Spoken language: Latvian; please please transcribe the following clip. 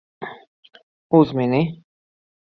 Uzmini.